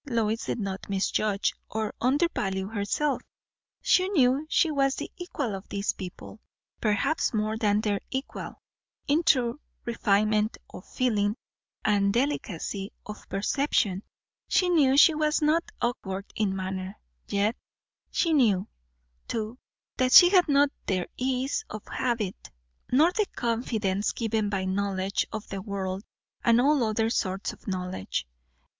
Lois did not misjudge or undervalue herself; she knew she was the equal of these people, perhaps more than their equal, in true refinement of feeling and delicacy of perception; she knew she was not awkward in manner; yet she knew, too, that she had not their ease of habit, nor the confidence given by knowledge of the world and all other sorts of knowledge.